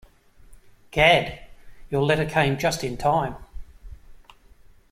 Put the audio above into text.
Gad, your letter came just in time.